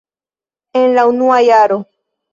En la unua jaro.